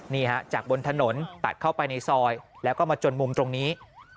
นี่ฮะจากบนถนนตัดเข้าไปในซอยแล้วก็มาจนมุมตรงนี้